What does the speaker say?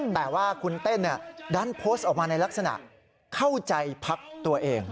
แต่ว่าคุณเต้นดันโพสต์ออกมาในลักษณะเข้าใจพักตัวเอง